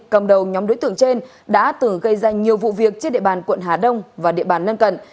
cầm đầu nhóm đối tượng trên đã từng gây ra nhiều vụ việc trên địa bàn quận hà đông và địa bàn lân cận